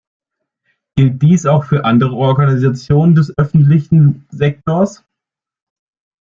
Gilt dies auch für andere Organisationen des öffentlichen Sektors?